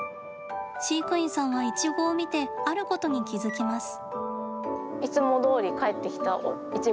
飼育員さんは、イチゴを見てあることに気付きます。